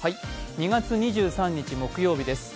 ２月２３日木曜日です。